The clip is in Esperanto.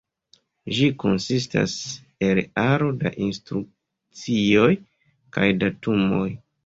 Ĝi konsistas el aro da instrukcioj kaj datumoj.